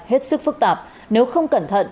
hết sức phức tạp nếu không cẩn thận